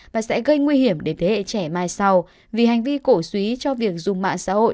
và sẽ gây nguy hiểm đến thế hệ trẻ mai sau vì hành vi cổ suý cho việc dùng mạng xã hội